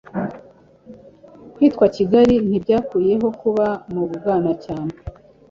Kwitwa Kigali, ntibyakuyeho kuba mu Bwanacyambwe,